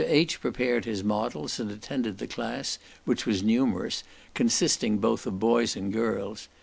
H. prepared his models, and attended the class, which was numerous, consisting both of boys and girls.